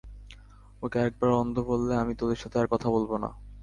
ওকে আরেকবার অন্ধ বললে আমি তোদের সাথে আর কথা বলব না!